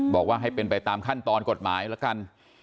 บอกว่าให้เป็นไปตามขั้นตอนกฎหมายละกัน